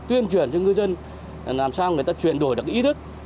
tuyên truyền cho ngư dân làm sao người ta chuyển đổi được ý thức